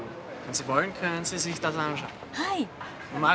はい。